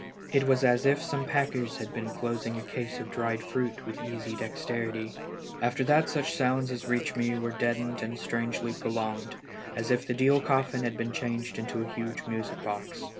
It was as if some packers had been. closing a case of dried fruit with easy dexterity. After that such sounds as reached me were deadened and strangely prolonged, as if the deal coffin had been changed into a huge music box.